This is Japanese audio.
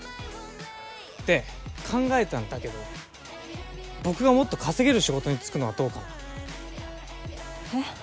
で考えたんだけど僕がもっと稼げる仕事に就くのはどうかな。えっ？